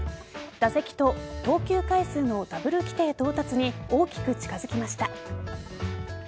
打席と投球回数のダブル規定到達に大きく近づきました。